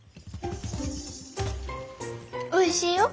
おいしいよ。